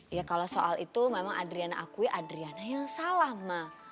ya kalau soal itu memang adriana akui adriana yang salah mah